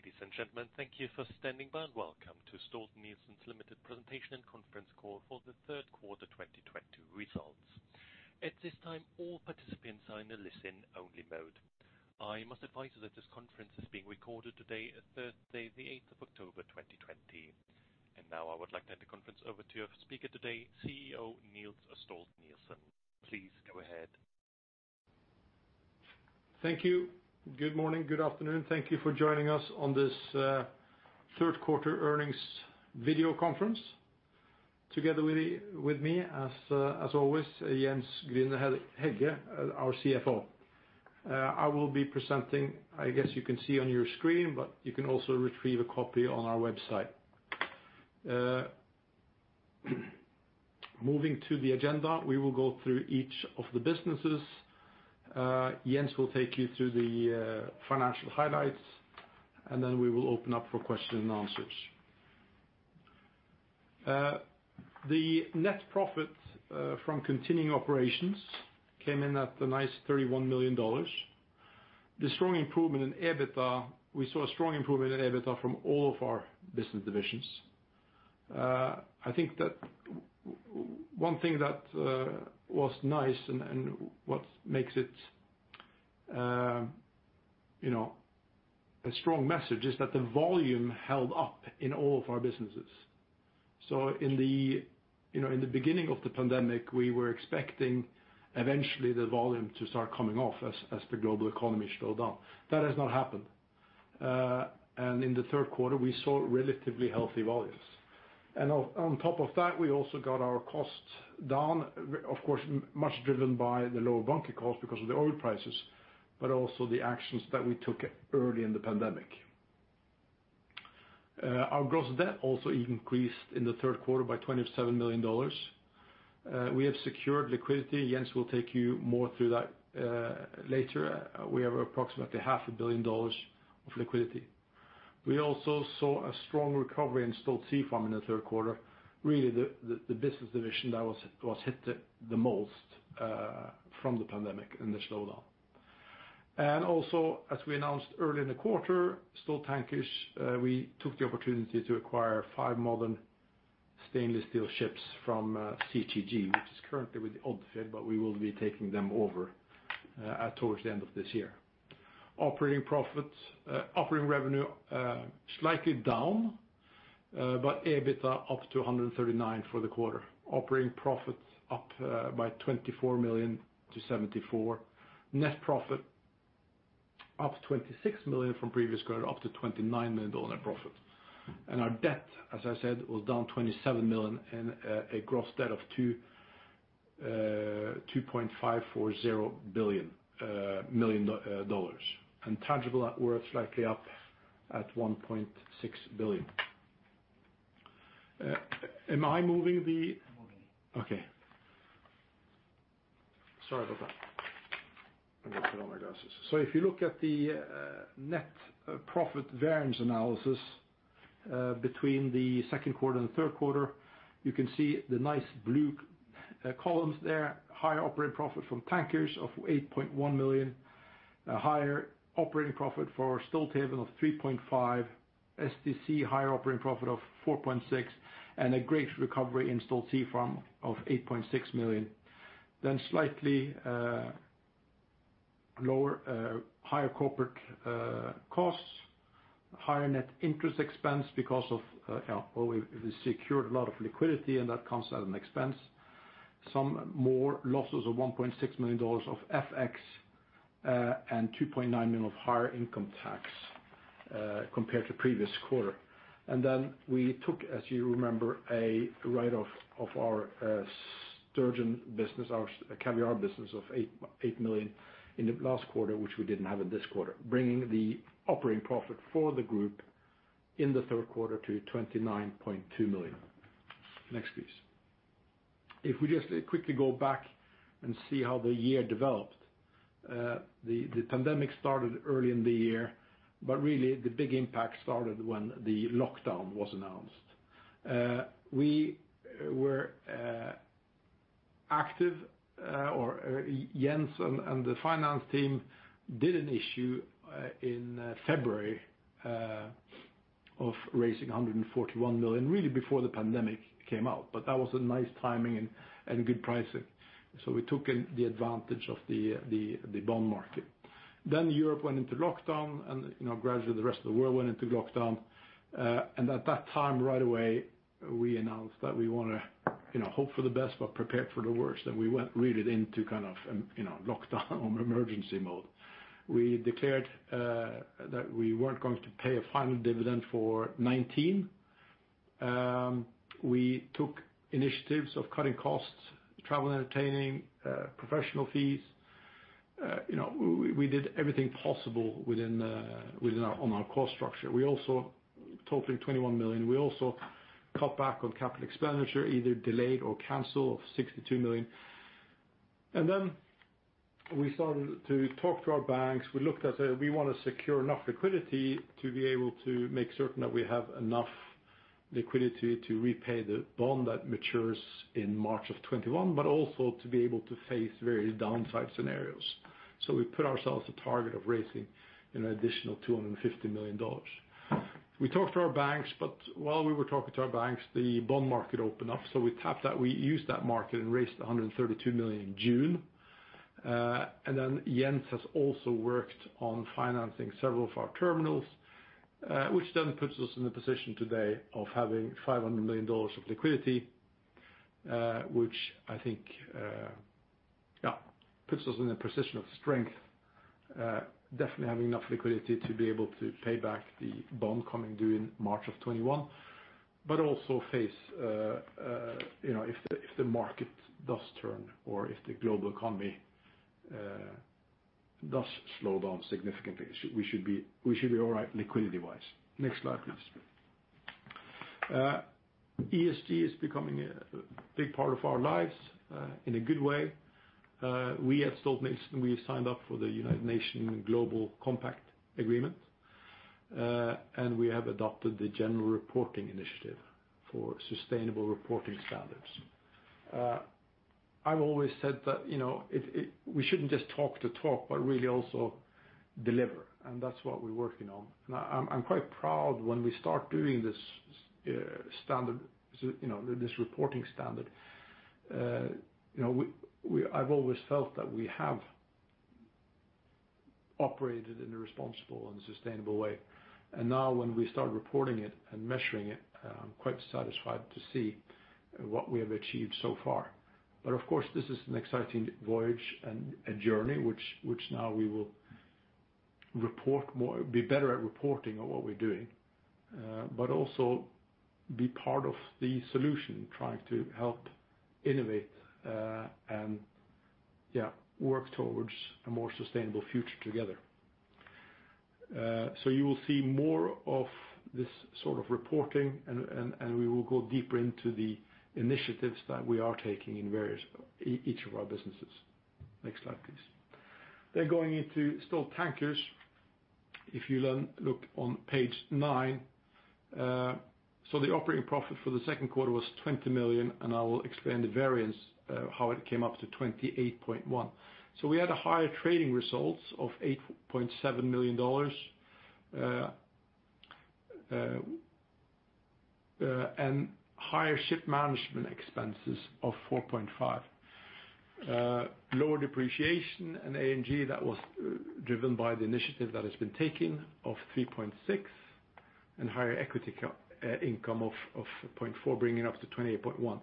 Ladies and gentlemen, thank you for standing by. Welcome to Stolt-Nielsen Limited presentation and conference call for the third quarter 2020 results. At this time, all participants are in a listen-only mode. I must advise you that this conference is being recorded today, Thursday, the eighth of October 2020. Now I would like to hand the conference over to your speaker today, CEO Niels Stolt-Nielsen. Please go ahead. Thank you. Good morning. Good afternoon. Thank you for joining us on this third quarter earnings video conference. Together with me, as always, Jens Grüner-Hegge, our CFO. I will be presenting, I guess you can see on your screen, but you can also retrieve a copy on our website. Moving to the agenda, we will go through each of the businesses. Jens will take you through the financial highlights. Then we will open up for question and answers. The net profit from continuing operations came in at a nice $31 million. We saw a strong improvement in EBITDA from all of our business divisions. I think that one thing that was nice and what makes it a strong message is that the volume held up in all of our businesses. In the beginning of the pandemic, we were expecting eventually the volume to start coming off as the global economy slowed down. That has not happened. In the third quarter, we saw relatively healthy volumes. On top of that, we also got our costs down, of course, much driven by the lower bunker cost because of the oil prices, but also the actions that we took early in the pandemic. Our gross debt also increased in the third quarter by $27 million. We have secured liquidity. Jens will take you more through that later. We have approximately $0.5 billion of liquidity. We also saw a strong recovery in Stolt Sea Farm in the third quarter, really the business division that was hit the most from the pandemic and the slowdown. As we announced early in the quarter, Stolt Tankers, we took the opportunity to acquire five modern stainless steel ships from CTG, which is currently with Odfjell, but we will be taking them over towards the end of this year. Operating revenue slightly down, but EBITDA up to $139 for the quarter. Operating profit up by $24 million-$74 million. Net profit up $26 million from previous quarter, up to $29 million net profit. Our debt, as I said, was down $27 million and a gross debt of $2.540 billion. Tangible net worth slightly up at $1.6 billion. If you look at the net profit variance analysis between the second quarter and the third quarter, you can see the nice blue columns there. Higher operating profit from Tankers of $8.1 million, a higher operating profit for Stolthaven of $3.5. STC, higher operating profit of $4.6, and a great recovery in Stolt Sea Farm of $8.6 million. Slightly higher corporate costs, higher net interest expense because of we secured a lot of liquidity, and that comes at an expense. Some more losses of $1.6 million of FX, and $2.9 million of higher income tax compared to previous quarter. We took, as you remember, a write-off of our sturgeon business, our caviar business of $8 million in the last quarter, which we didn't have in this quarter, bringing the operating profit for the group in the third quarter to $29.2 million. Next, please. If we just quickly go back and see how the year developed. The pandemic started early in the year, the big impact started when the lockdown was announced. We were active, or Jens and the finance team did an issue in February of raising $141 million, really before the pandemic came out. That was a nice timing and good pricing. We took the advantage of the bond market. Europe went into lockdown and gradually the rest of the world went into lockdown. At that time, right away, we announced that we want to hope for the best but prepared for the worst, and we went really into lockdown or emergency mode. We declared that we weren't going to pay a final dividend for 2019. We took initiatives of cutting costs, travel and entertaining, professional fees. We did everything possible on our cost structure. Totaling $21 million. We also cut back on capital expenditure, either delayed or canceled of $62 million. Then we started to talk to our banks. We looked at we want to secure enough liquidity to be able to make certain that we have enough liquidity to repay the bond that matures in March of 2021, but also to be able to face various downside scenarios. We put ourselves a target of raising an additional $250 million. We talked to our banks, but while we were talking to our banks, the bond market opened up. We used that market and raised $132 million in June. Jens has also worked on financing several of our terminals, which then puts us in the position today of having $500 million of liquidity, which I think, puts us in a position of strength. Definitely having enough liquidity to be able to pay back the bond coming due in March of 2021, but also face if the market does turn or if the global economy does slow down significantly, we should be all right liquidity-wise. Next slide, please. ESG is becoming a big part of our lives in a good way. We at Stolt-Nielsen Limited, we have signed up for the United Nations Global Compact, and we have adopted the Global Reporting Initiative Sustainability Reporting Standards. I've always said that we shouldn't just talk the talk, but really also deliver, and that's what we're working on. I'm quite proud when we start doing this reporting standard. I've always felt that we have operated in a responsible and sustainable way. Now when we start reporting it and measuring it, I'm quite satisfied to see what we have achieved so far. Of course, this is an exciting voyage and a journey which now we will be better at reporting on what we're doing. Also be part of the solution, trying to help innovate, and work towards a more sustainable future together. You will see more of this sort of reporting, and we will go deeper into the initiatives that we are taking in each of our businesses. Next slide, please. Going into Stolt Tankers, if you look on page nine. The operating profit for the second quarter was $20 million, and I will explain the variance of how it came up to $28.1 million. We had higher trading results of $8.7 million and higher ship management expenses of $4.5 million. Lower depreciation and A&G that was driven by the initiative that has been taken of $3.6 million, and higher equity income of $0.4 million, bringing it up to $28.1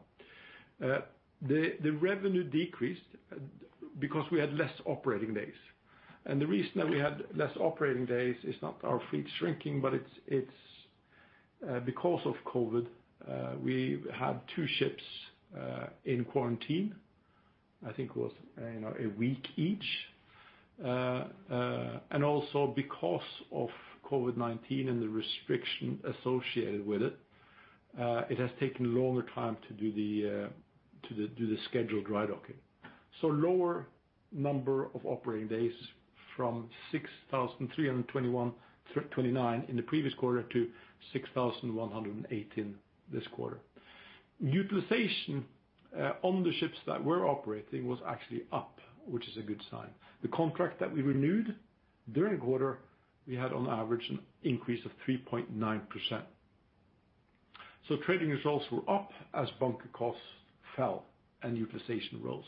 million. The revenue decreased because we had less operating days. The reason that we had less operating days is not our fleet shrinking, but it's because of COVID-19. We had two ships in quarantine. I think it was a week each. Also because of COVID-19 and the restriction associated with it has taken a longer time to do the scheduled dry docking. Lower number of operating days from 6,329 in the previous quarter to 6,108 in this quarter. Utilization on the ships that were operating was actually up, which is a good sign. The contract that we renewed during the quarter, we had on average an increase of 3.9%. Trading results were up as bunker costs fell and utilization rose.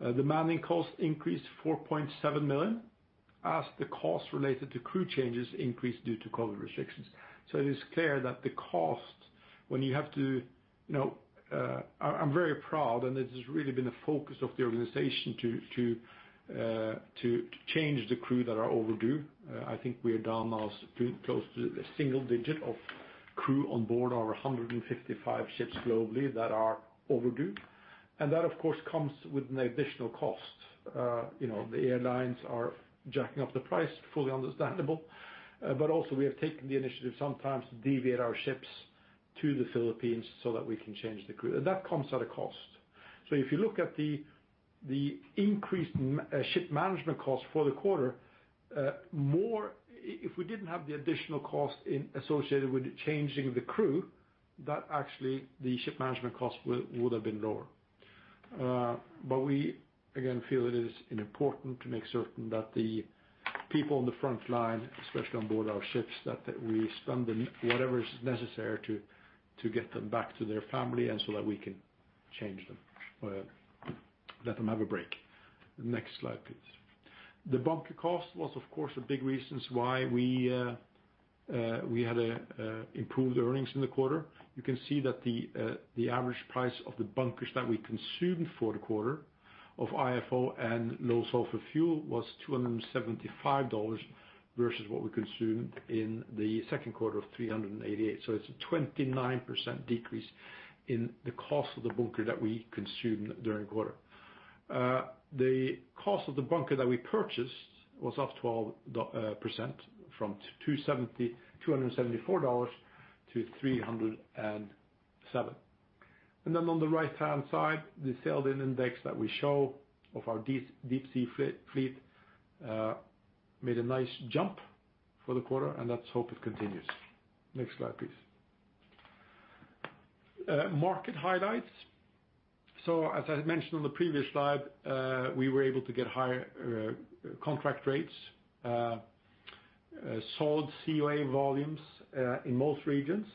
The manning cost increased to $4.7 million, as the cost related to crew changes increased due to COVID restrictions. It is clear that the cost when I'm very proud, and it has really been the focus of the organization to change the crew that are overdue. I think we are down now close to the single digit of crew on board our 155 ships globally that are overdue. That, of course, comes with an additional cost. The airlines are jacking up the price, fully understandable. We have taken the initiative sometimes to deviate our ships to the Philippines so that we can change the crew. That comes at a cost. If you look at the increased ship management cost for the quarter, if we didn't have the additional cost associated with changing the crew, that actually the ship management cost would have been lower. We again feel it is important to make certain that the people on the front line, especially on board our ships, that we spend whatever is necessary to get them back to their family and so that we can change them, let them have a break. Next slide, please. The bunker cost was, of course, a big reason why we had improved earnings in the quarter. You can see that the average price of the bunkers that we consumed for the quarter of IFO and low sulfur fuel was $275 versus what we consumed in the second quarter of $388. It's a 29% decrease in the cost of the bunker that we consumed during the quarter. The cost of the bunker that we purchased was up 12% from $274-$307. On the right-hand side, the sailed-in index that we show of our deep sea fleet made a nice jump for the quarter, and let's hope it continues. Next slide, please. Market highlights. As I mentioned on the previous slide, we were able to get higher contract rates, sold COA volumes in most regions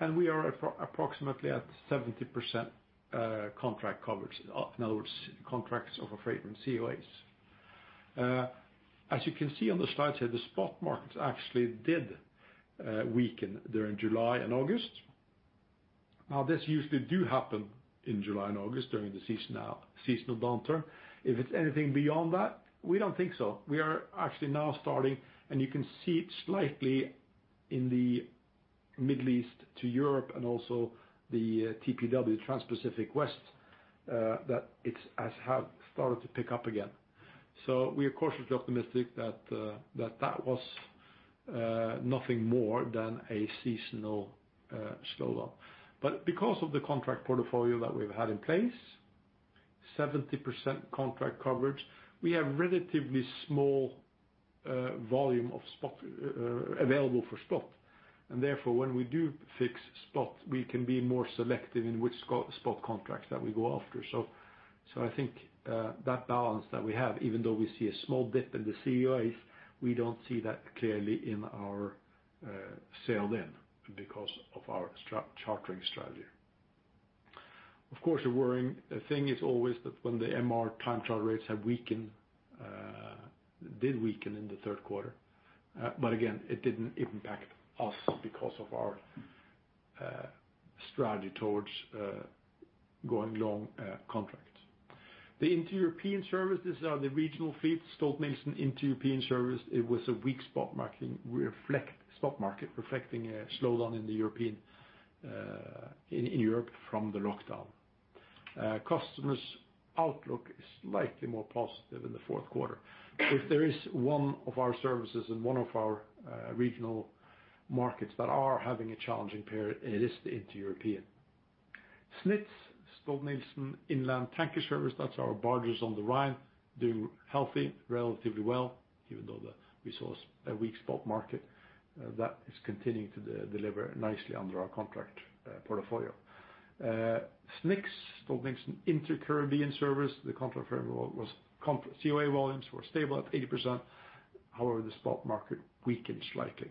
and we are approximately at 70% contract coverage. In other words, contracts over freight and COAs. As you can see on the slide here, the spot markets actually did weaken during July and August. This usually do happen in July and August during the seasonal downturn. If it's anything beyond that, we don't think so. We are actually now starting, and you can see it slightly in the Middle East to Europe and also the TPW, Transpacific West, that it has started to pick up again. We are cautiously optimistic that that was nothing more than a seasonal slowdown. Because of the contract portfolio that we've had in place, 70% contract coverage, we have relatively small volume available for spot and therefore when we do fix spot, we can be more selective in which spot contracts that we go after. I think, that balance that we have, even though we see a small dip in the COAs, we don't see that clearly in our sailed-in because of our chartering strategy. Of course, the worrying thing is always that when the MR time charter rates have weakened, did weaken in the third quarter. Again, it didn't impact us because of our strategy towards going long contract. The Inter-Europe services are the regional fleet, Stolt-Nielsen Inter-Europe Service. It was a weak spot market reflecting a slowdown in Europe from the lockdown. Customers' outlook is slightly more positive in the fourth quarter. If there is one of our services in one of our regional markets that are having a challenging period, it is the Inter-Europe. SNITS, Stolt-Nielsen Inland Tanker Service, that's our barges on the Rhine, doing healthy, relatively well, even though we saw a weak spot market that is continuing to deliver nicely under our contract portfolio. SNICS, Stolt-Nielsen Inter-Caribbean Service, the COA volumes were stable at 80%. The spot market weakened slightly.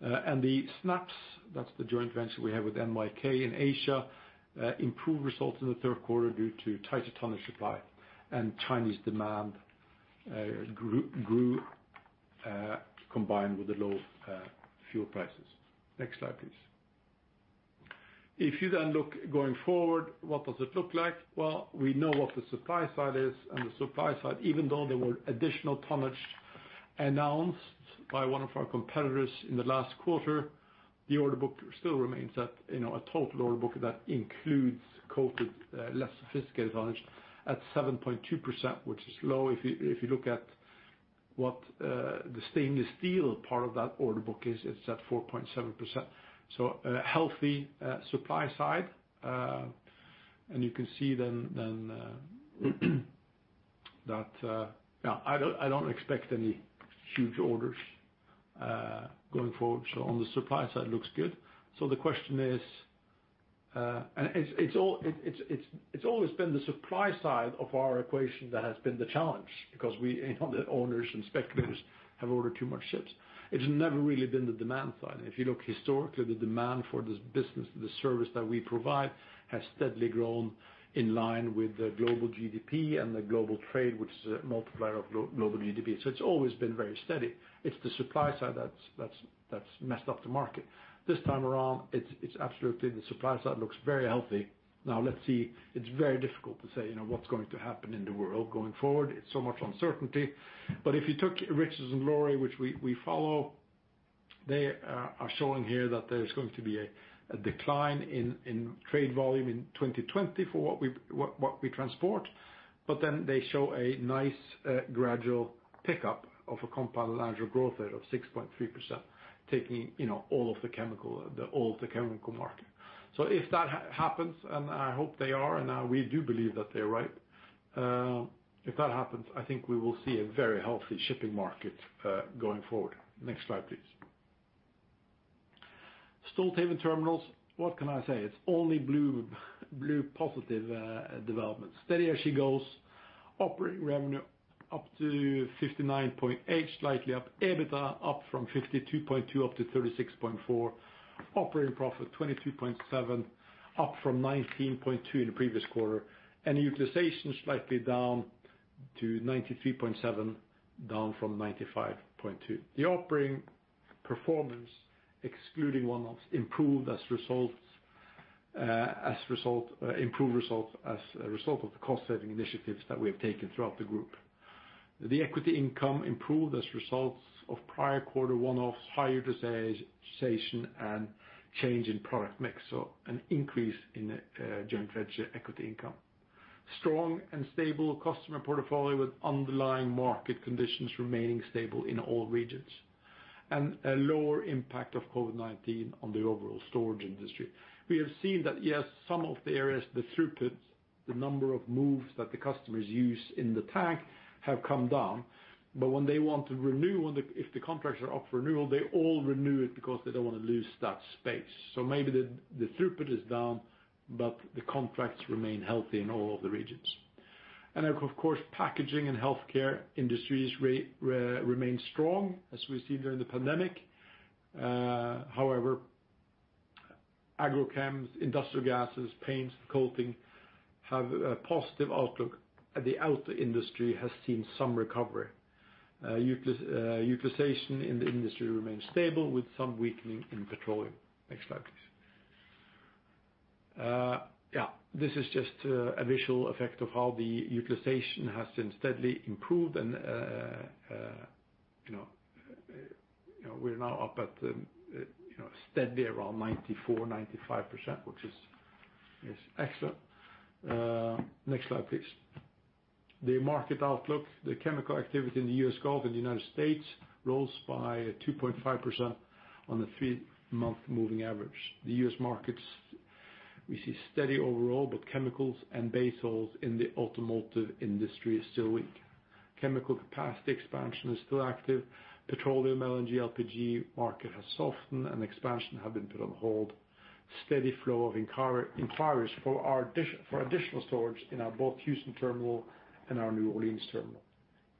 The SNAPS, that's the joint venture we have with NYK in Asia, improved results in the third quarter due to tighter tonnage supply and Chinese demand grew, combined with the low fuel prices. Next slide, please. If you look going forward, what does it look like? Well, we know what the supply side is, the supply side, even though there were additional tonnage announced by one of our competitors in the last quarter, the order book still remains at a total order book that includes coated, less sophisticated tonnage at 7.2%, which is low. If you look at what the stainless steel part of that order book is, it's at 4.7%. A healthy supply side. You can see that I don't expect any huge orders going forward. On the supply side looks good. The question is. It's always been the supply side of our equation that has been the challenge because we know the owners and speculators have ordered too much ships. It has never really been the demand side. If you look historically, the demand for this business, the service that we provide, has steadily grown in line with the global GDP and the global trade, which is a multiplier of global GDP. It's always been very steady. It's the supply side that's messed up the market. This time around, it's absolutely the supply side looks very healthy. Now, let's see. It's very difficult to say what's going to happen in the world going forward. It's so much uncertainty. If you took Richardson Lawrie, which we follow, they are showing here that there's going to be a decline in trade volume in 2020 for what we transport. They show a nice gradual pickup of a compound annual growth rate of 6.3%, taking all of the chemical market. If that happens, and I hope they are, and we do believe that they are right. If that happens, I think we will see a very healthy shipping market going forward. Next slide, please. Stolthaven terminals. What can I say? It's only blue positive development. Steady as she goes. Operating revenue up to $59.8, slightly up. EBITDA up from $52.2 up to $36.4. Operating profit $22.7, up from $19.2 in the previous quarter. Utilization slightly down to $93.7, down from $95.2. The operating performance, excluding one-offs, improved results as a result of the cost saving initiatives that we have taken throughout the group. The equity income improved as results of prior quarter one-offs, higher utilization and change in product mix. An increase in joint venture equity income. Strong and stable customer portfolio with underlying market conditions remaining stable in all regions. A lower impact of COVID-19 on the overall storage industry. We have seen that yes, some of the areas, the throughput, the number of moves that the customers use in the tank, have come down. When they want to renew, if the contracts are up for renewal, they all renew it because they don't want to lose that space. Maybe the throughput is down, but the contracts remain healthy in all of the regions. Of course, packaging and healthcare industries remain strong, as we see during the pandemic. However, agrochem, industrial gases, paints and coating have a positive outlook, and the automotive industry has seen some recovery. Utilization in the industry remains stable with some weakening in petroleum. Next slide, please. This is just a visual effect of how the utilization has since steadily improved and we're now up at steadily around 94%-95%, which is excellent. Next slide, please. The market outlook. The chemical activity in the US Gulf and the U.S. rose by 2.5% on the three-month moving average. The US markets, we see steady overall, but chemicals and base oils in the automotive industry is still weak. Chemical capacity expansion is still active. Petroleum, LNG, LPG market has softened and expansion have been put on hold. Steady flow of inquiries for additional storage in our both Houston terminal and our New Orleans terminal.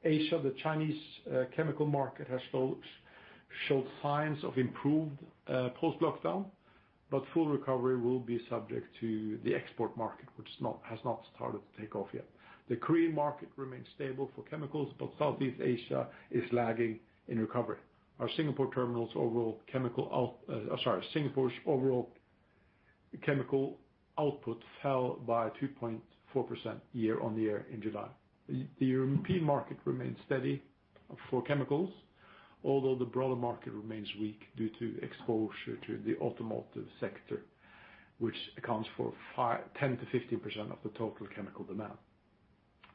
Asia, the Chinese chemical market has showed signs of improved post-lockdown, but full recovery will be subject to the export market, which has not started to take off yet. The Korean market remains stable for chemicals, but Southeast Asia is lagging in recovery. Singapore's overall chemical output fell by 2.4% year-on-year in July. The European market remains steady for chemicals, although the broader market remains weak due to exposure to the automotive sector, which accounts for 10%-15% of the total chemical demand.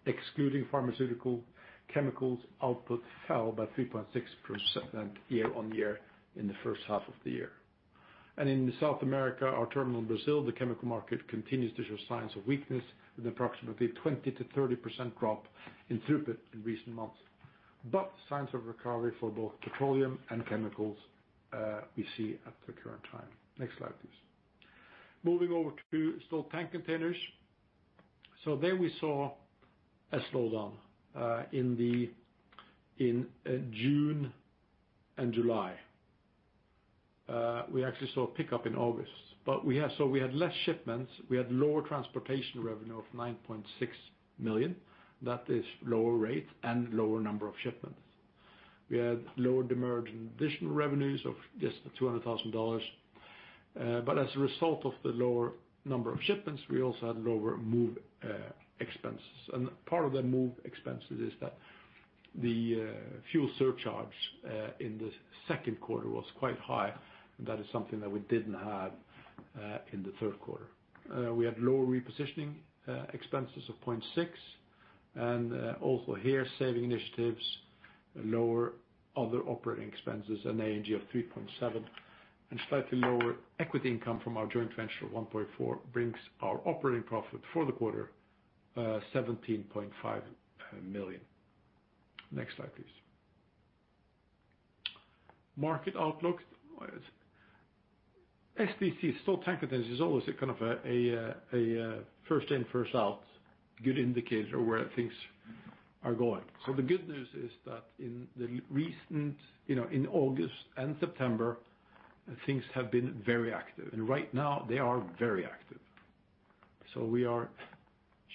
Excluding pharmaceutical, chemicals output fell by 3.6% year-on-year in the first half of the year. In South America, our terminal in Brazil, the chemical market continues to show signs of weakness with approximately 20%-30% drop in throughput in recent months. Signs of recovery for both petroleum and chemicals we see at the current time. Next slide, please. Moving over to Stolt Tank Containers. There we saw a slowdown in June and July. We actually saw a pickup in August. We had less shipments, we had lower transportation revenue of $9.6 million. That is lower rate and lower number of shipments. We had lower demurrage and additional revenues of just $200,000. As a result of the lower number of shipments, we also had lower move expenses. Part of the move expenses is that the fuel surcharge in the second quarter was quite high, and that is something that we didn't have in the third quarter. We had lower repositioning expenses of $0.6 and also here saving initiatives, lower other operating expenses and A&G of $3.7 and slightly lower equity income from our joint venture of $1.4 brings our operating profit for the quarter, $17.5 million. Next slide, please. Market outlook. STC, Stolt Tank Containers is always a kind of a first in, first out good indicator where things are going. The good news is that in August and September, things have been very active, and right now they are very active. We are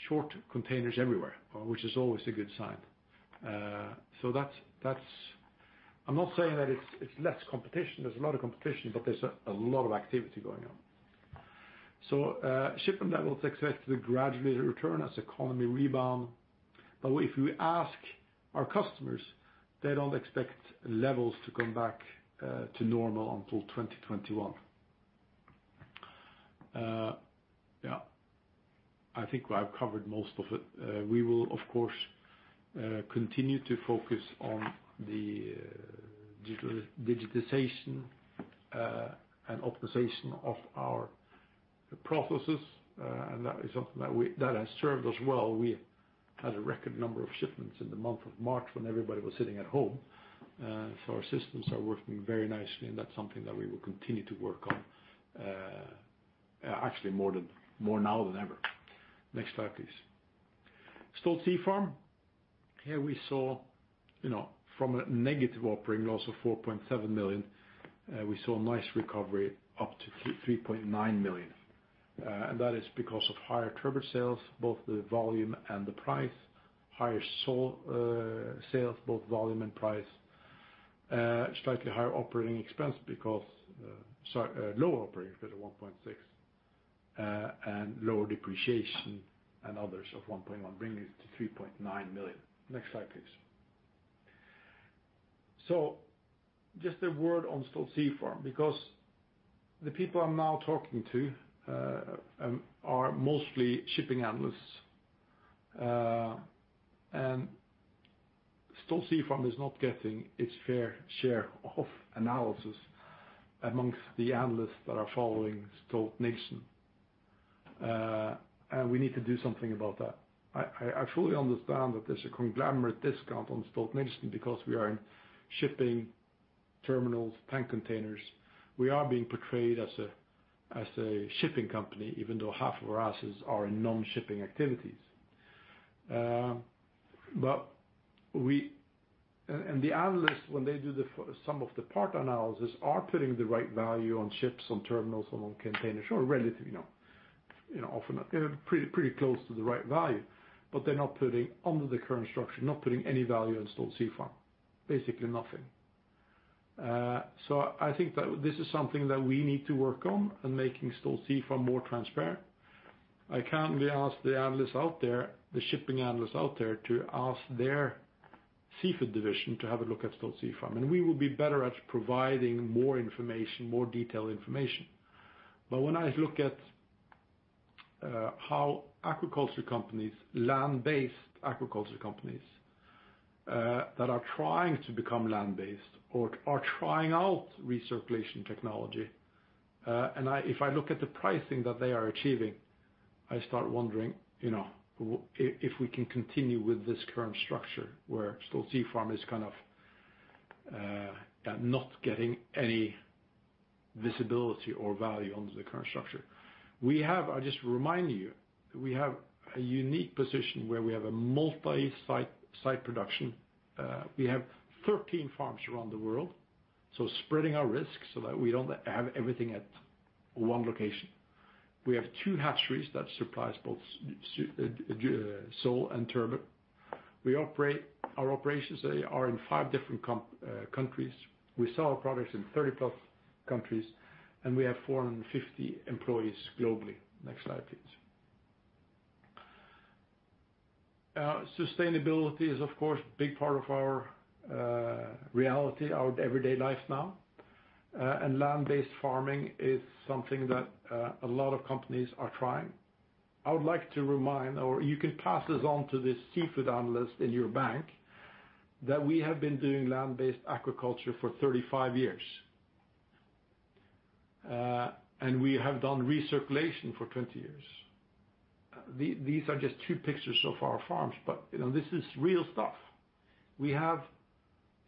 short containers everywhere, which is always a good sign. I'm not saying that it's less competition. There's a lot of competition, but there's a lot of activity going on. Shipment levels expected to gradually return as economy rebound. If you ask our customers, they don't expect levels to come back to normal until 2021. I think I've covered most of it. We will of course continue to focus on the digitization and optimization of our processes. That is something that has served us well. We had a record number of shipments in the month of March when everybody was sitting at home. Our systems are working very nicely, and that's something that we will continue to work on, actually more now than ever. Next slide, please. Stolt Sea Farm. Here we saw from a negative operating loss of $4.7 million, we saw a nice recovery up to $3.9 million. That is because of higher turbot sales, both the volume and the price, higher sole sales, both volume and price, slightly higher operating expense because sorry, lower operating expense of $1.6 and lower depreciation and others of $1.1, bringing it to $3.9 million. Next slide, please. Just a word on Stolt Sea Farm, because the people I'm now talking to are mostly shipping analysts. Stolt Sea Farm is not getting its fair share of analysis amongst the analysts that are following Stolt-Nielsen Limited. We need to do something about that. I fully understand that there's a conglomerate discount on Stolt-Nielsen Limited because we are in shipping terminals, tank containers. We are being portrayed as a shipping company, even though half of our assets are in non-shipping activities. The analysts, when they do the sum of the part analysis, are putting the right value on ships, on terminals, and on containers. Sure, relatively. Often, pretty close to the right value. They're not putting under the current structure, not putting any value on Stolt Sea Farm. Basically nothing. I think that this is something that we need to work on and making Stolt Sea Farm more transparent. I kindly ask the analysts out there, the shipping analysts out there to ask their seafood division to have a look at Stolt Sea Farm, and we will be better at providing more information, more detailed information. When I look at how agriculture companies, land-based agriculture companies, that are trying to become land-based or are trying out recirculation technology, and if I look at the pricing that they are achieving, I start wondering, if we can continue with this current structure where Stolt Sea Farm is kind of, not getting any visibility or value under the current structure. I just remind you, we have a unique position where we have a multi-site production. We have 13 farms around the world, so spreading our risk so that we don't have everything at one location. We have two hatcheries that supplies both sole and turbot. Our operations today are in five different countries. We sell our products in 30+ countries, and we have 450 employees globally. Next slide, please. Sustainability is, of course, big part of our reality, our everyday life now. Land-based farming is something that a lot of companies are trying. I would like to remind, or you can pass this on to the seafood analyst in your bank, that we have been doing land-based agriculture for 35 years. We have done recirculation for 20 years. These are just two pictures of our farms, but this is real stuff. It's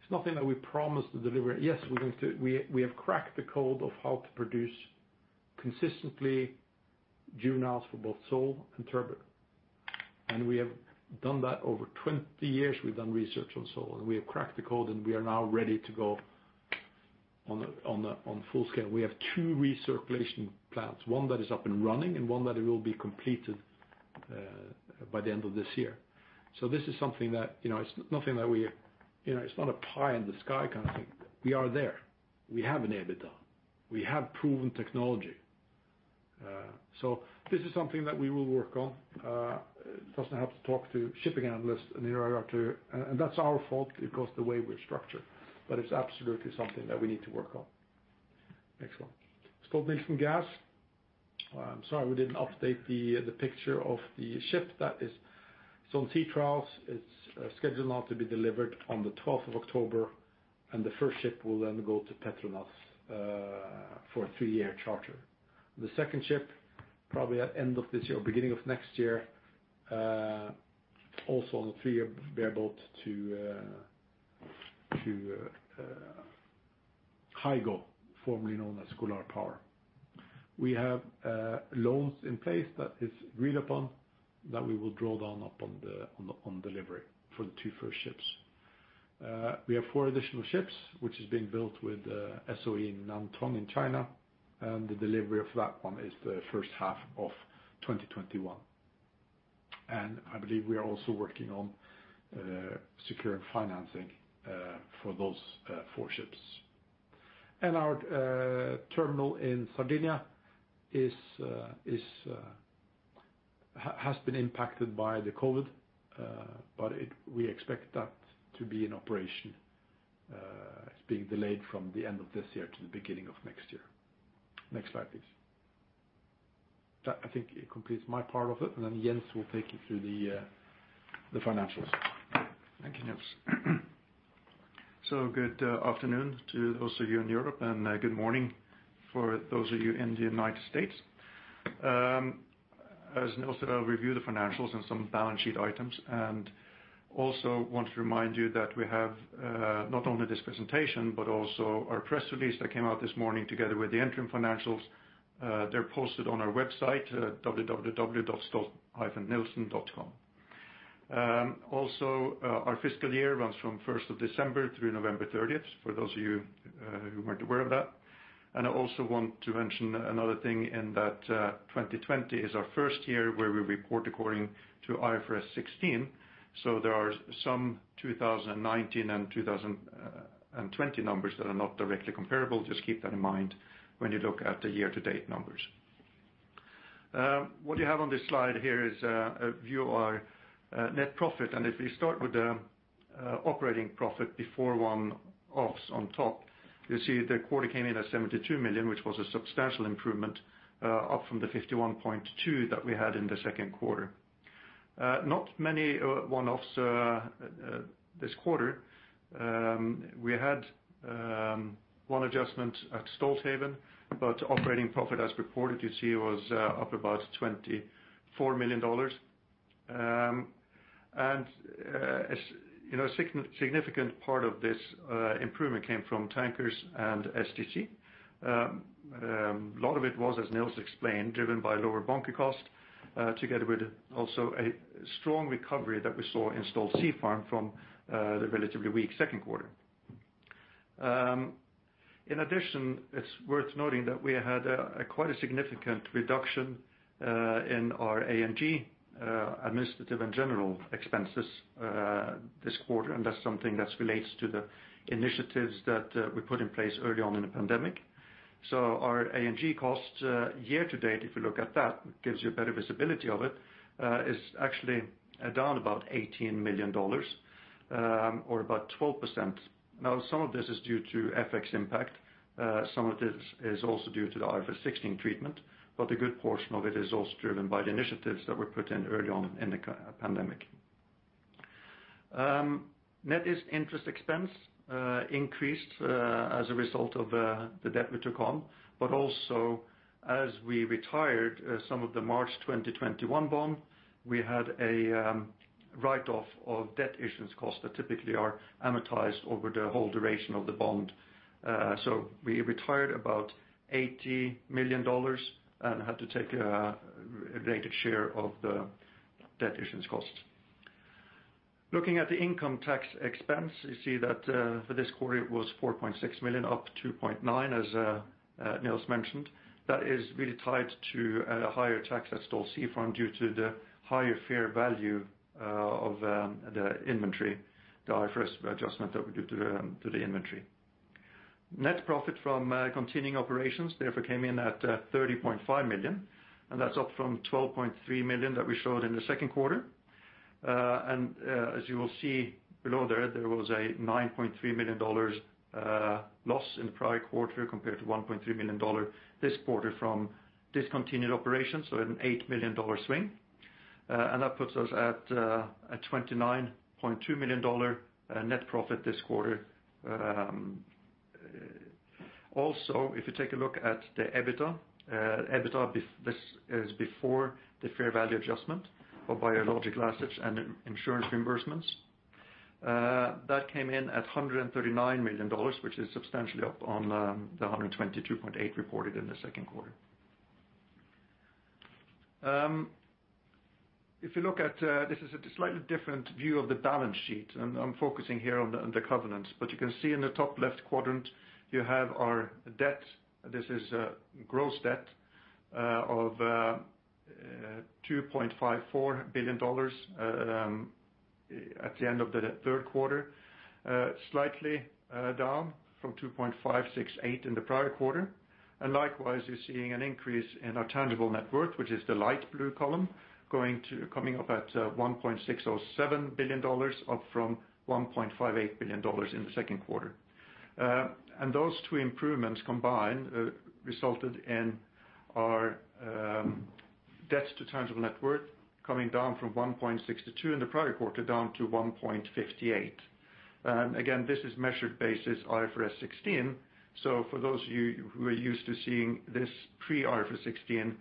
nothing that we promise to deliver. We have cracked the code of how to produce consistently juveniles for both sole and turbot. We have done that over 20 years, we've done research on sole, we have cracked the code, we are now ready to go on full scale. We have two recirculation plants, one that is up and running and one that will be completed by the end of this year. This is something that, it's not a pie in the sky kind of thing. We are there. We have enabled that. We have proven technology. This is something that we will work on. It doesn't help to talk to shipping analysts, that's our fault because the way we're structured. It's absolutely something that we need to work on. Next slide. Stolt-Nielsen Gas. I'm sorry we didn't update the picture of the ship that is on sea trials. It's scheduled now to be delivered on the 12th of October. The first ship will then go to Petronas for a three-year charter. The second ship, probably at end of this year or beginning of next year, also on a three-year bareboat to Hygo, formerly known as Golar Power. We have loans in place that is agreed upon that we will draw down upon delivery for the two first ships. We have four additional ships, which is being built with SOE Nantong in China. The delivery of that one is the first half of 2021. I believe we are also working on securing financing for those four ships. Our terminal in Sardinia has been impacted by the COVID-19, but we expect that to be in operation. It's being delayed from the end of this year to the beginning of next year. Next slide, please. That, I think, completes my part of it, and then Jens will take you through the financials. Thank you, Niels. Good afternoon to those of you in Europe, and good morning for those of you in the United States. As Niels said, I'll review the financials and some balance sheet items, and also want to remind you that we have not only this presentation, but also our press release that came out this morning together with the interim financials. They're posted on our website at www.stolt-nielsen.com. Our fiscal year runs from 1st of December through November 30th, for those of you who weren't aware of that. I also want to mention another thing in that 2020 is our first year where we report according to IFRS 16. There are some 2019 and 2020 numbers that are not directly comparable. Just keep that in mind when you look at the year-to-date numbers. What you have on this slide here is a view of our net profit. If we start with the operating profit before one-offs on top. You see the quarter came in at $72 million, which was a substantial improvement, up from the $51.2 million that we had in the second quarter. Not many one-offs this quarter. We had one adjustment at Stolthaven, but operating profit as reported, you see, was up about $24 million. A significant part of this improvement came from Tankers and STC. A lot of it was, as Niels explained, driven by lower bunker cost, together with also a strong recovery that we saw in Stolt Sea Farm from the relatively weak second quarter. In addition, it's worth noting that we had quite a significant reduction in our A&G, administrative and general expenses this quarter. That's something that relates to the initiatives that we put in place early on in the pandemic. Our A&G cost year to date, if you look at that, gives you better visibility of it is actually down about $18 million, or about 12%. Some of this is due to FX impact. Some of this is also due to the IFRS 16 treatment. A good portion of it is also driven by the initiatives that were put in early on in the pandemic. Net interest expense increased as a result of the debt we took on. Also, as we retired some of the March 2021 bond, we had a write-off of debt issuance costs that typically are amortized over the whole duration of the bond. We retired about $80 million and had to take a rated share of the debt issuance cost. Looking at the income tax expense, you see that for this quarter it was $4.6 million, up $2.9 million, as Niels mentioned. That is really tied to a higher tax at Stolt Sea Farm due to the higher fair value of the inventory, the IFRS adjustment that we do to the inventory. Net profit from continuing operations, therefore, came in at $30.5 million, and that's up from $12.3 million that we showed in the second quarter. As you will see below there was a $9.3 million loss in the prior quarter compared to $1.3 million this quarter from discontinued operations, so an $8 million swing. That puts us at a $29.2 million net profit this quarter. Also, if you take a look at the EBITDA. EBITDA, this is before the fair value adjustment for biological assets and insurance reimbursements. That came in at $139 million, which is substantially up on the $122.8 reported in the second quarter. This is a slightly different view of the balance sheet, I'm focusing here on the covenants. You can see in the top left quadrant, you have our debt. This is gross debt of $2.54 billion at the end of the third quarter. Slightly down from $2.568 in the prior quarter. Likewise, you're seeing an increase in our tangible net worth, which is the light blue column coming up at $1.607 billion, up from $1.58 billion in the second quarter. Those two improvements combined resulted in our debts to tangible net worth coming down from $1.62 billion in the prior quarter down to $1.58 billion. Again, this is measured basis IFRS 16. For those of you who are used to seeing this pre-IFRS 16,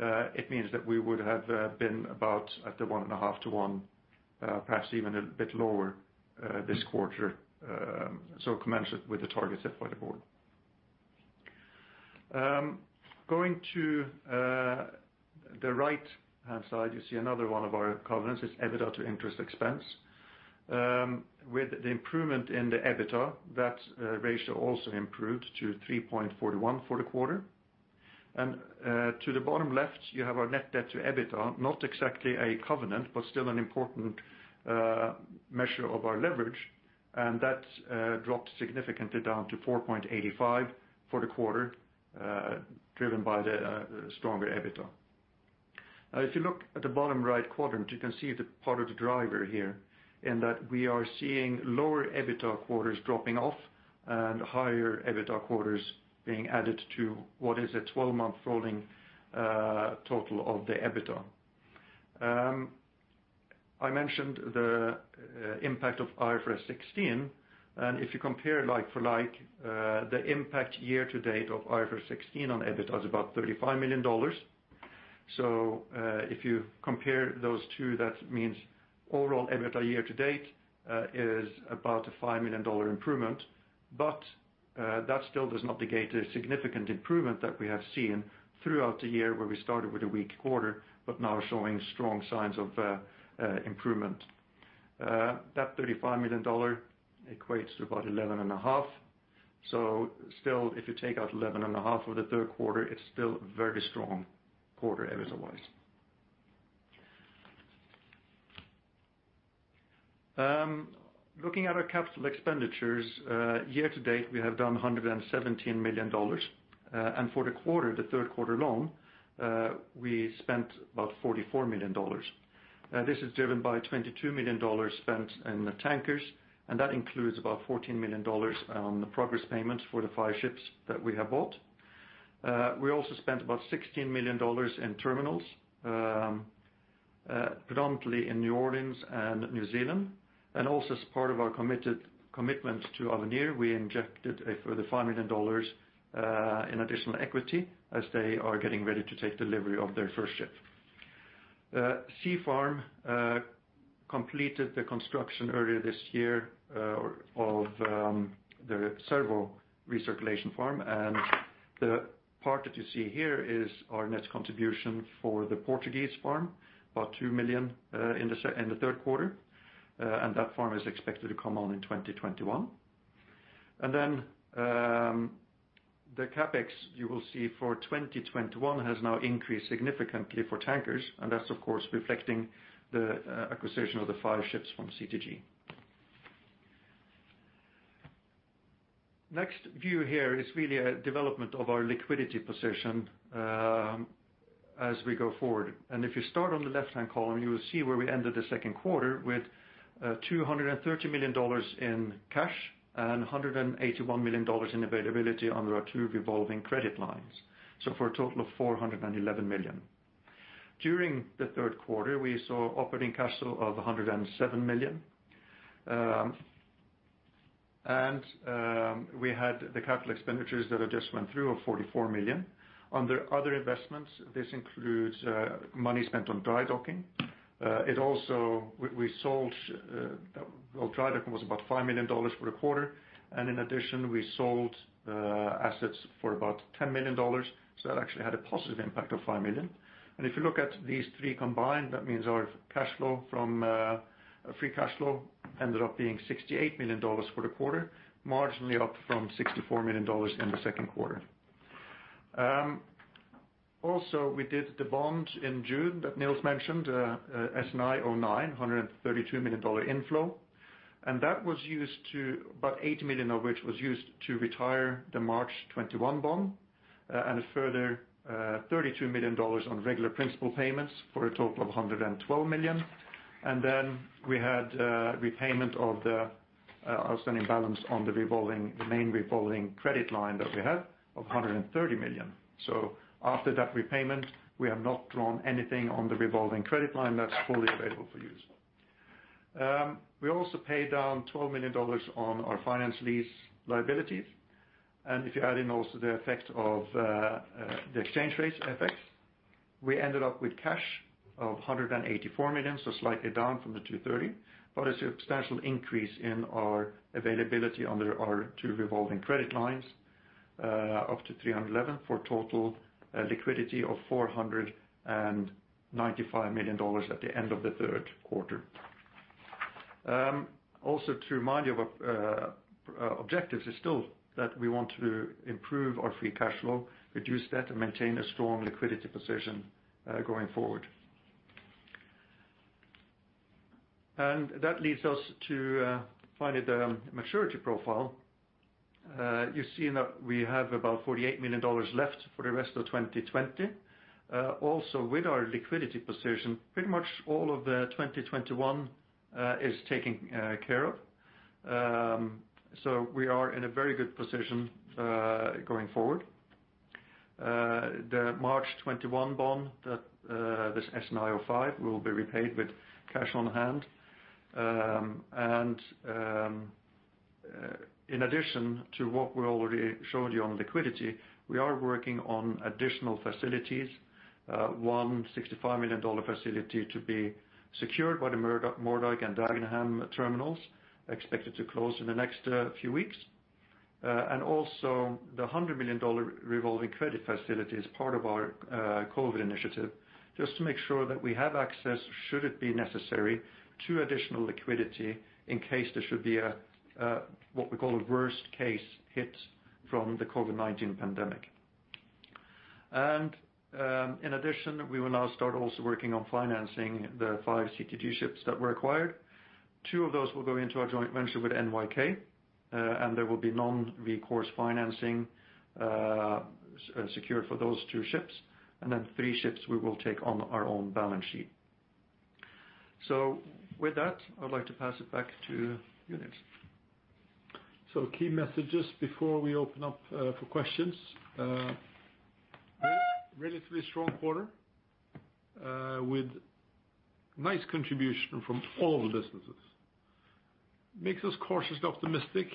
it means that we would have been about at the one and a half to one, perhaps even a bit lower this quarter. Commensurate with the target set by the board. Going to the right-hand side, you see another one of our covenants is EBITDA to interest expense. With the improvement in the EBITDA, that ratio also improved to 3.41 for the quarter. To the bottom left, you have our net debt to EBITDA, not exactly a covenant, but still an important measure of our leverage, and that dropped significantly down to 4.85 for the quarter, driven by the stronger EBITDA. If you look at the bottom right quadrant, you can see part of the driver here in that we are seeing lower EBITDA quarters dropping off and higher EBITDA quarters being added to what is a 12-month rolling total of the EBITDA. I mentioned the impact of IFRS 16. If you compare like for like, the impact year to date of IFRS 16 on EBITDA is about $35 million. If you compare those two, that means overall EBITDA year to date is about a $5 million improvement. That still does not negate the significant improvement that we have seen throughout the year where we started with a weak quarter but now showing strong signs of improvement. That $35 million equates to about 11 and a half. Still, if you take out 11 and a half of the third quarter, it's still very strong quarter EBITDA-wise. Looking at our capital expenditures. Year to date, we have done $117 million. For the quarter, the third quarter long, we spent about $44 million. This is driven by $22 million spent in the tankers, and that includes about $14 million on the progress payments for the five ships that we have bought. We also spent about $16 million in terminals, predominantly in New Orleans and New Zealand. Also as part of our commitment to Avenir, we injected a further $5 million in additional equity as they are getting ready to take delivery of their first ship. Stolt Sea Farm completed the construction earlier this year of the Cervo recirculation farm. The part that you see here is our net contribution for the Portuguese farm, about $2 million in the third quarter. That farm is expected to come on in 2021. The CapEx, you will see for 2021 has now increased significantly for tankers, and that's of course reflecting the acquisition of the five ships from CTG. Next view here is really a development of our liquidity position as we go forward. If you start on the left-hand column, you will see where we ended the second quarter with $230 million in cash and $181 million in availability under our two revolving credit lines. For a total of $411 million. During the third quarter, we saw operating cash flow of $107 million. We had the capital expenditures that I just went through of $44 million. Under other investments, this includes money spent on dry docking. Well, dry docking was about $5 million for the quarter, and in addition, we sold assets for about $10 million. That actually had a positive impact of $5 million. If you look at these three combined, that means our free cash flow ended up being $68 million for the quarter, marginally up from $64 million in the second quarter. Also, we did the bond in June that Niels mentioned, SNI09, $132 million inflow. About $80 million of which was used to retire the March 2021 bond, and a further $32 million on regular principal payments for a total of $112 million. We had repayment of the outstanding balance on the main revolving credit line that we had of $130 million. After that repayment, we have not drawn anything on the revolving credit line that's fully available for use. We also paid down $12 million on our finance lease liabilities. If you add in also the effect of the exchange rates effects, we ended up with cash of $184 million, so slightly down from $230 million, but a substantial increase in our availability under our two revolving credit lines, up to $311 million for total liquidity of $495 million at the end of the third quarter. To remind you of our objectives is still that we want to improve our free cash flow, reduce debt, and maintain a strong liquidity position going forward. That leads us to finally the maturity profile. You see that we have about $48 million left for the rest of 2020. With our liquidity position, pretty much all of the 2021 is taken care of. We are in a very good position going forward. The March 2021 bond, this SNI05, will be repaid with cash on hand. In addition to what we already showed you on liquidity, we are working on additional facilities. One $65 million facility to be secured by the Moerdijk and Dagenham terminals, expected to close in the next few weeks. Also the $100 million revolving credit facility as part of our COVID initiative, just to make sure that we have access, should it be necessary, to additional liquidity in case there should be a what we call a worst case hit from the COVID-19 pandemic. In addition, we will now start also working on financing the five CTG ships that were acquired. Two of those will go into our joint venture with NYK, and there will be non-recourse financing secured for those two ships. Three ships we will take on our own balance sheet. With that, I would like to pass it back to you, Niels. Key messages before we open up for questions. Relatively strong quarter, with nice contribution from all the businesses. Makes us cautiously optimistic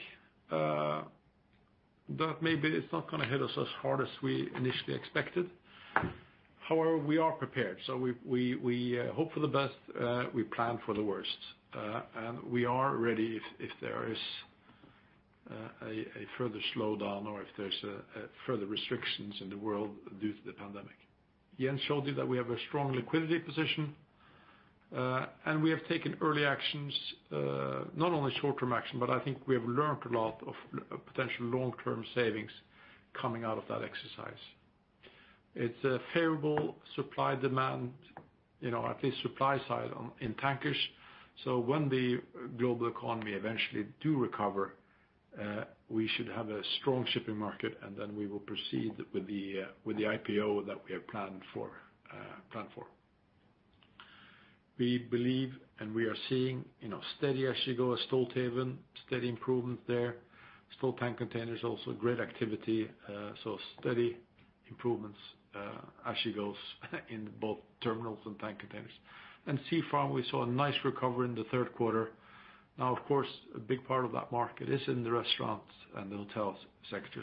that maybe it's not going to hit us as hard as we initially expected. However, we are prepared. We hope for the best, we plan for the worst. We are ready if there is a further slowdown or if there's further restrictions in the world due to the pandemic. Jens showed you that we have a strong liquidity position. We have taken early actions, not only short-term action, but I think we have learned a lot of potential long-term savings coming out of that exercise. It's a favorable supply-demand, at least supply side, in tankers. When the global economy eventually do recover, we should have a strong shipping market, and then we will proceed with the IPO that we have planned for. We believe, we are seeing steady as she goes, Stolthaven, steady improvement there. Stolt Tank Containers, also great activity, steady improvements as she goes in both terminals and tank containers. Sea Farm, we saw a nice recovery in the third quarter. Of course, a big part of that market is in the restaurants and the hotel sector,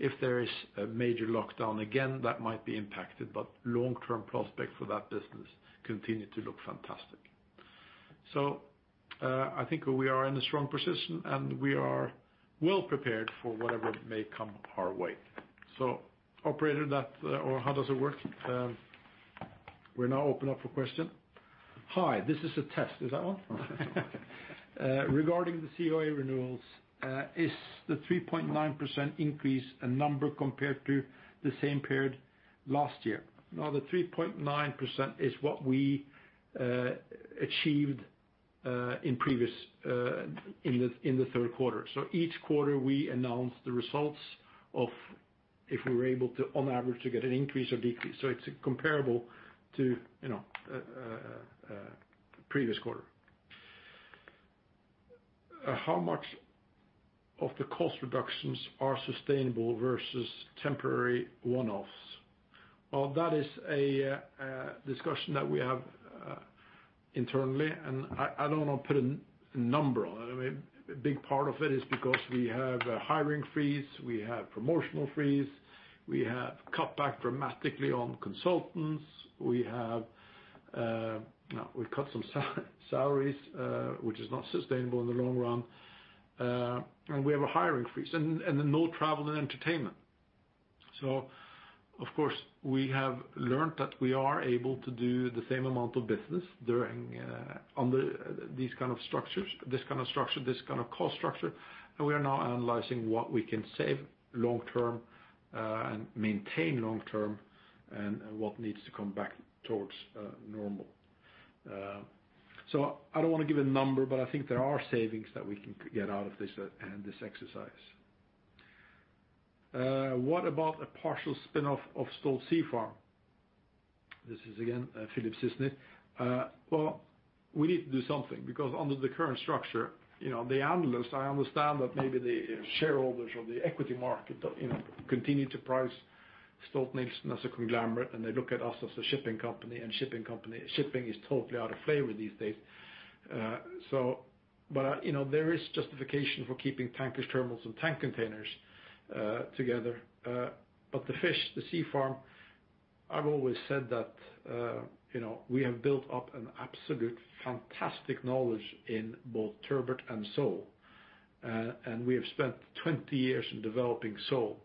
if there is a major lockdown again, that might be impacted, long-term prospect for that business continue to look fantastic. I think we are in a strong position, we are well prepared for whatever may come our way. Operator, or how does it work? We are now open up for question. Regarding the COA renewals, is the 3.9% increase a number compared to the same period last year? The 3.9% is what we achieved in the third quarter. Each quarter, we announce the results of if we were able to, on average, to get an increase or decrease, so it's comparable to previous quarter. How much of the cost reductions are sustainable versus temporary one-offs? Well, that is a discussion that we have internally, and I don't want to put a number on it. A big part of it is because we have a hiring freeze, we have promotional freeze, we have cut back dramatically on consultants, we've cut some salaries, which is not sustainable in the long run, and we have a hiring freeze, and no travel and entertainment. Of course, we have learned that we are able to do the same amount of business under this kind of cost structure, and we are now analyzing what we can save long term and maintain long term, and what needs to come back towards normal. I don't want to give a number, but I think there are savings that we can get out of this and this exercise. What about a partial spinoff of Stolt Sea Farm? This is again, Philip Sisney. Well, we need to do something, because under the current structure, the analysts, I understand that maybe the shareholders or the equity market continue to price Stolt-Nielsen as a conglomerate, and they look at us as a shipping company, and shipping is totally out of flavor these days. There is justification for keeping tankers, terminals, and tank containers together. The fish, the Stolt Sea Farm, I've always said that we have built up an absolute fantastic knowledge in both turbot and sole, and we have spent 20 years in developing sole.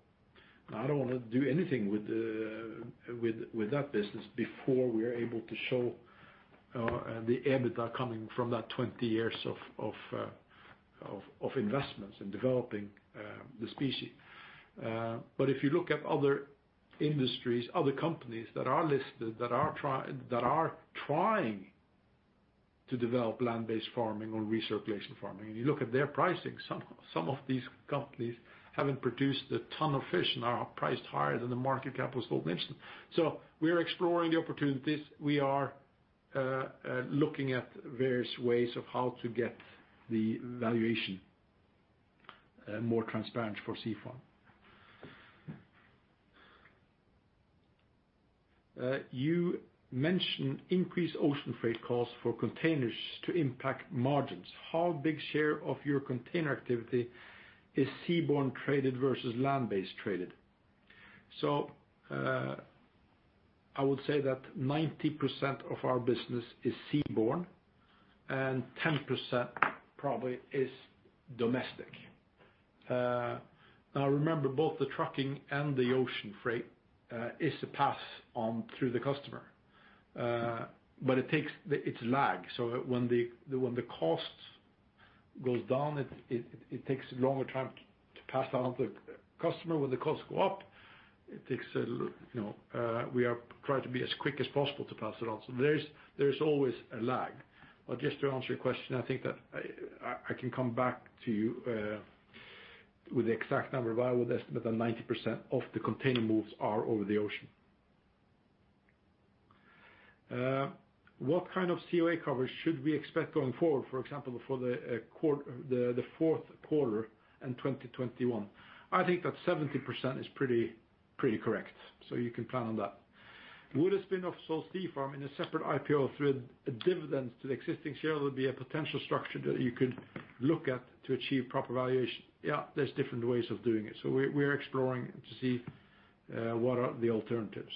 I don't want to do anything with that business before we are able to show the EBITDA coming from that 20 years of investments in developing the species. If you look at other industries, other companies that are listed, that are trying to develop land-based farming or recirculation farming, and you look at their pricing, some of these companies haven't produced a ton of fish and are priced higher than the market cap of Stolt-Nielsen Limited. We are exploring the opportunities. We are looking at various ways of how to get the valuation more transparent for Stolt Sea Farm. You mentioned increased ocean freight costs for containers to impact margins. How big share of your container activity is seaborne traded versus land-based traded? I would say that 90% of our business is seaborne and 10% probably is domestic. Now remember, both the trucking and the ocean freight is to pass on through the customer. It lags. When the cost goes down, it takes a longer time to pass down to the customer. When the costs go up, we are trying to be as quick as possible to pass it on. There is always a lag. Just to answer your question, I think that I can come back to you with the exact number, but I would estimate that 90% of the container moves are over the ocean. What kind of COA coverage should we expect going forward, for example, for the fourth quarter and 2021? I think that 70% is pretty correct. You can plan on that. Would a spinoff Stolt Sea Farm in a separate IPO through a dividend to the existing shareholder be a potential structure that you could look at to achieve proper valuation? Yeah, there's different ways of doing it. We're exploring to see what are the alternatives.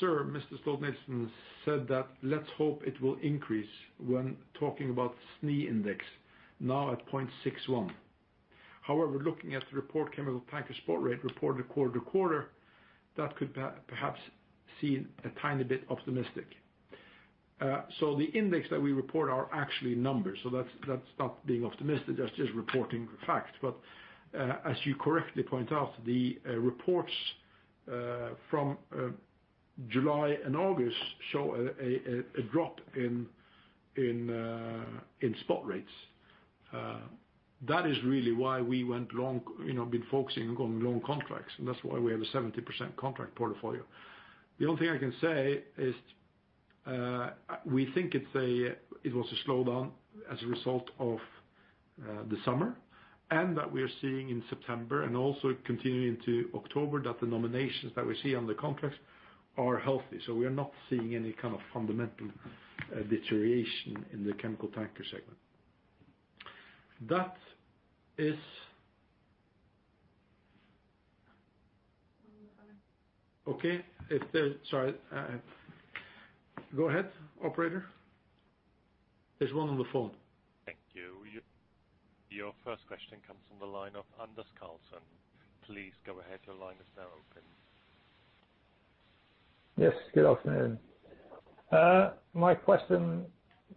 Sir, Mr. Stolt-Nielsen said that "Let's hope it will increase" when talking about SNI index, now at 0.61. However, looking at the report chemical tanker spot rate reported quarter to quarter, that could perhaps seem a tiny bit optimistic. The index that we report are actually numbers, so that's not being optimistic, that's just reporting the fact. As you correctly point out, the reports from July and August show a drop in spot rates. That is really why we went long, been focusing on long contracts, and that's why we have a 70% contract portfolio. The only thing I can say is we think it was a slowdown as a result of the summer, that we are seeing in September and also continuing into October, that the nominations that we see on the contracts are healthy. We are not seeing any kind of fundamental deterioration in the chemical tanker segment. That is. Okay. Sorry. Go ahead, operator. There's one on the phone. Thank you. Your first question comes from the line of Anders Karlsen. Please go ahead, your line is now open. Yes, good afternoon. My question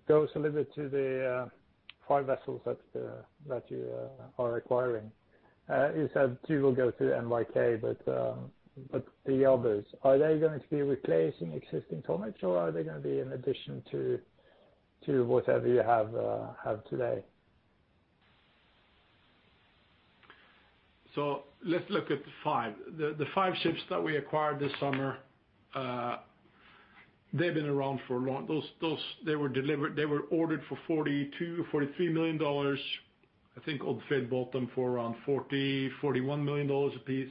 goes a little bit to the five vessels that you are acquiring. You said two will go to NYK, but the others, are they going to be replacing existing tonnage, or are they going to be an addition to whatever you have today? Let's look at the five. The five ships that we acquired this summer. They were ordered for $42 million, $43 million. I think Odfjell bought them for around $40 million, $41 million a piece.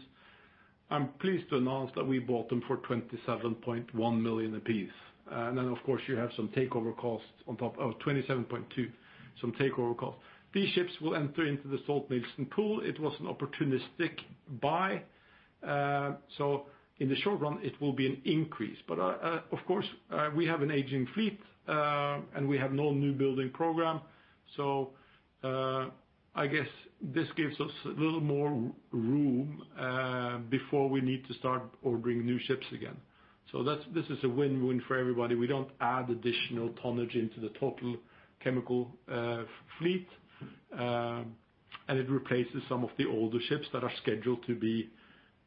I'm pleased to announce that we bought them for $27.1 million a piece. Of course, you have some takeover costs on top of $27.2 million. These ships will enter into the Stolt-Nielsen pool. It was an opportunistic buy. In the short run, it will be an increase. Of course, we have an aging fleet, and we have no new building program. I guess this gives us a little more room before we need to start ordering new ships again. This is a win-win for everybody. We don't add additional tonnage into the total chemical fleet. It replaces some of the older ships that are scheduled to be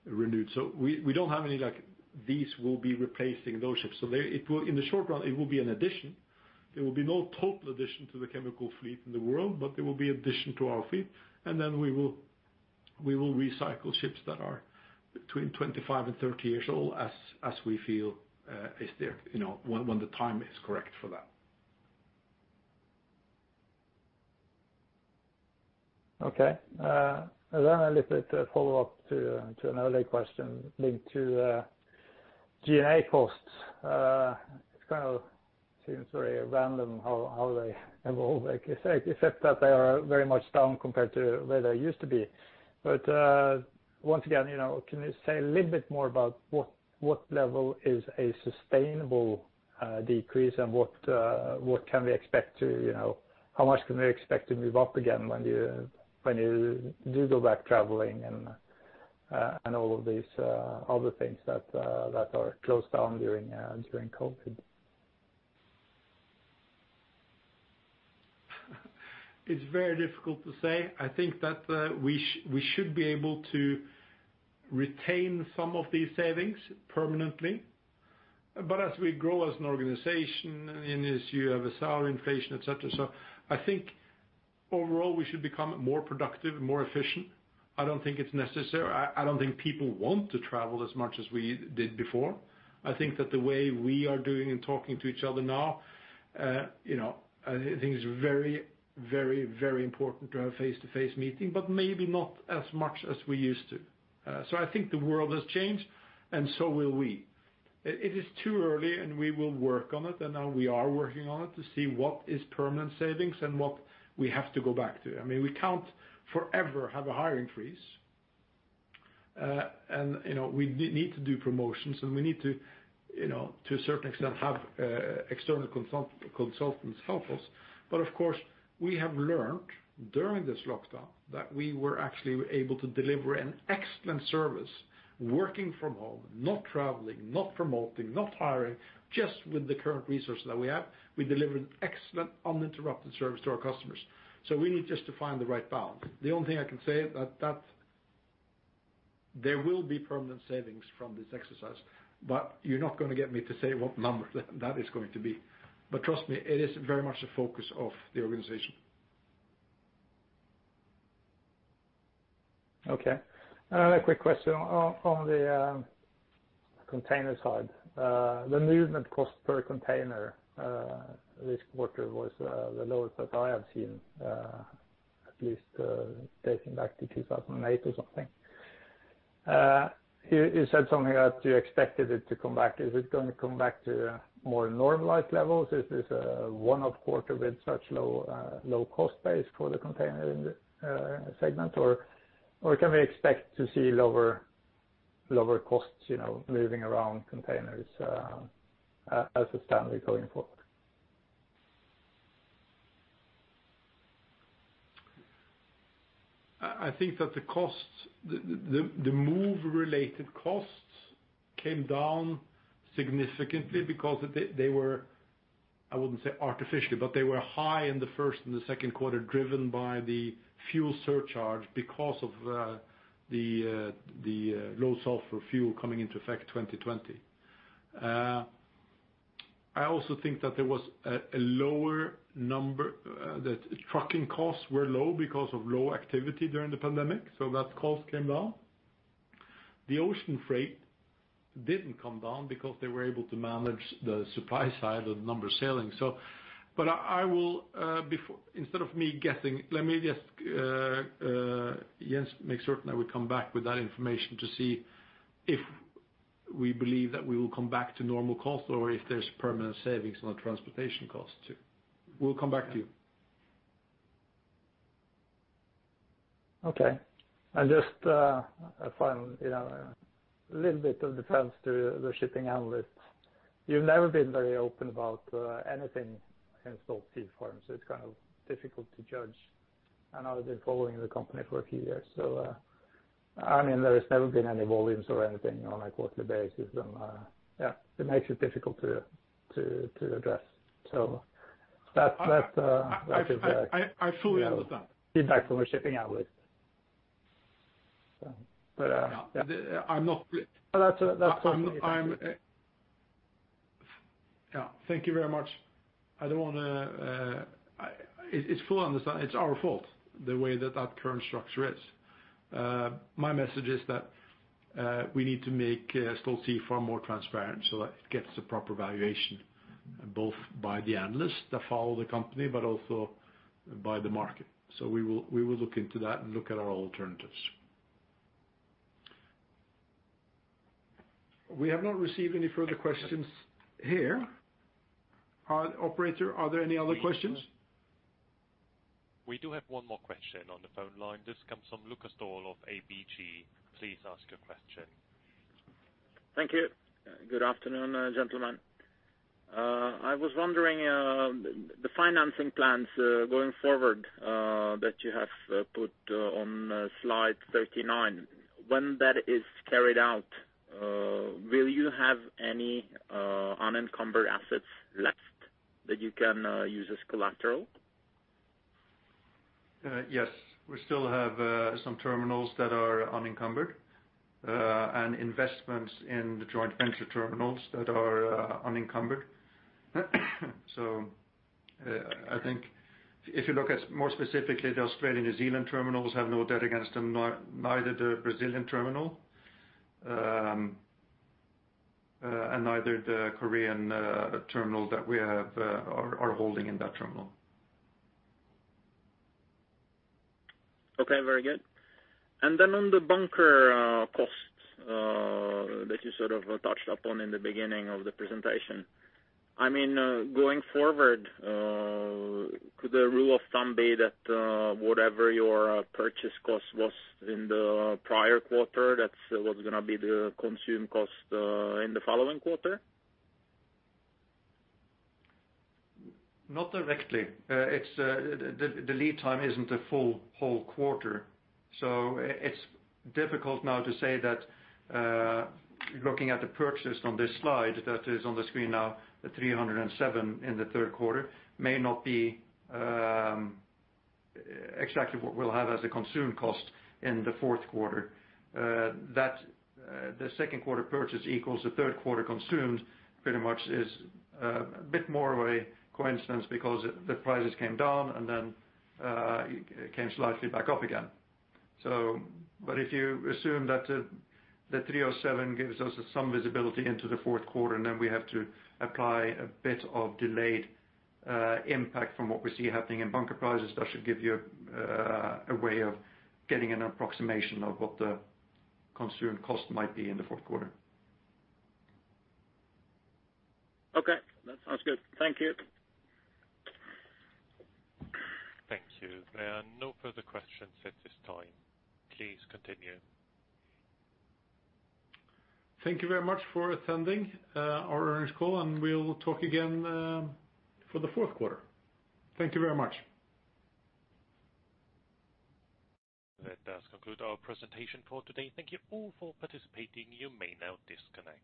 renewed. We don't have any like, these will be replacing those ships. In the short run, it will be an addition. There will be no total addition to the chemical fleet in the world. There will be addition to our fleet. We will recycle ships that are between 25 and 30 years old, as we feel when the time is correct for that. Okay. A little bit follow-up to an earlier question linked to G&A costs. It kind of seems very random how they evolve, I guess, except that they are very much down compared to where they used to be. Once again, can you say a little bit more about what level is a sustainable decrease and how much can we expect to move up again when you do go back traveling and all of these other things that are closed down during COVID? It's very difficult to say. I think that we should be able to retain some of these savings permanently. As we grow as an organization and as you have a salary inflation, et cetera. I think overall, we should become more productive and more efficient. I don't think it's necessary. I don't think people want to travel as much as we did before. I think that the way we are doing and talking to each other now, I think it's very important to have face-to-face meeting, but maybe not as much as we used to. I think the world has changed, and so will we. It is too early, and we will work on it, and now we are working on it to see what is permanent savings and what we have to go back to. We can't forever have a hiring freeze. We need to do promotions, and we need to a certain extent, have external consultants help us. Of course, we have learned during this lockdown that we were actually able to deliver an excellent service working from home, not traveling, not promoting, not hiring. Just with the current resources that we have, we deliver an excellent, uninterrupted service to our customers. We need just to find the right balance. The only thing I can say is that there will be permanent savings from this exercise, but you're not going to get me to say what number that is going to be. Trust me, it is very much a focus of the organization. Okay. A quick question on the container side. The movement cost per container this quarter was the lowest that I have seen, at least dating back to 2008 or something. You said something that you expected it to come back. Is it going to come back to more normalized levels? Is this a one-off quarter with such low cost base for the container segment, or can we expect to see lower costs moving around containers as a standard going forward? I think that the move-related costs came down significantly because they were, I wouldn't say artificially, but they were high in the first and the second quarter, driven by the fuel surcharge because of the low sulfur fuel coming into effect 2020. I also think that there was a lower number, that trucking costs were low because of low activity during the pandemic, so that cost came down. The ocean freight didn't come down because they were able to manage the supply side of the number sailing. Instead of me guessing, let me just, Jens, make certain that we come back with that information to see if we believe that we will come back to normal cost or if there's permanent savings on transportation costs, too. We'll come back to you. Okay. Just a final, a little bit of defense to the shipping analysts. You've never been very open about anything in Stolt Sea Farm, so it's kind of difficult to judge. I've been following the company for a few years, so there's never been any volumes or anything on a quarterly basis, and it makes it difficult to address. I fully understand. Feedback from a shipping analyst. Yeah. But- I'm not- That's okay. Yeah. Thank you very much. It's our fault the way that current structure is. My message is that we need to make Stolt Sea Farm more transparent so that it gets the proper valuation, both by the analysts that follow the company, but also by the market. We will look into that and look at our alternatives. We have not received any further questions here. Operator, are there any other questions? We do have one more question on the phone line. This comes from Lukas Daul of ABG. Please ask your question. Thank you. Good afternoon, gentlemen. I was wondering, the financing plans going forward that you have put on slide 39, when that is carried out, will you have any unencumbered assets left that you can use as collateral? Yes. We still have some terminals that are unencumbered, and investments in the joint venture terminals that are unencumbered. I think if you look at more specifically, the Australian, New Zealand terminals have no debt against them, neither the Brazilian terminal, and neither the Korean terminal that we are holding in that terminal. Okay, very good. On the bunker costs that you sort of touched upon in the beginning of the presentation, going forward, could the rule of thumb be that whatever your purchase cost was in the prior quarter, that's what's going to be the consumed cost in the following quarter? Not directly. The lead time isn't a full whole quarter, so it's difficult now to say that looking at the purchase from this slide that is on the screen now, the $307 in the third quarter may not be exactly what we'll have as a consume cost in the fourth quarter. The second quarter purchase equals the third quarter consumed pretty much is a bit more of a coincidence because the prices came down and then came slightly back up again. If you assume that the $307 gives us some visibility into the fourth quarter, and then we have to apply a bit of delayed impact from what we see happening in bunker prices, that should give you a way of getting an approximation of what the consumed cost might be in the fourth quarter. Okay, that sounds good. Thank you. Thank you. There are no further questions at this time. Please continue. Thank you very much for attending our earnings call, and we'll talk again for the fourth quarter. Thank you very much. That does conclude our presentation for today. Thank you all for participating. You may now disconnect.